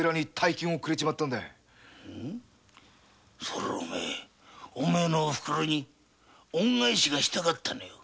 そりゃお前お前のおふくろに恩返しがしたかったんだよ。